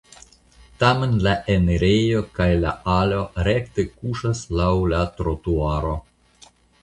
Tamen la enirejo kaj la alo rekte kuŝas laŭ la trutuaro.